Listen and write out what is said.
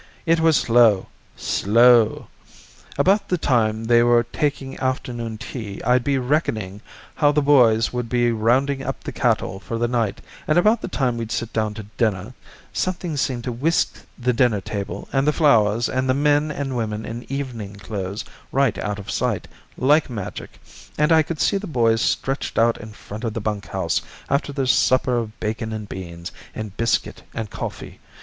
It was slow slow. About the time they were taking afternoon tea, I'd be reckoning how the boys would be rounding up the cattle for the night, and about the time we'd sit down to dinner something seemed to whisk the dinner table, and the flowers, and the men and women in evening clothes right out of sight, like magic, and I could see the boys stretched out in front of the bunk house after their supper of bacon, and beans, and biscuit, and coffee.